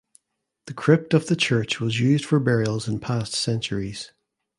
The crypt of the church was used for burials in past centuries.